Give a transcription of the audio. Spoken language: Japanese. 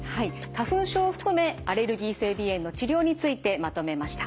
花粉症を含めアレルギー性鼻炎の治療についてまとめました。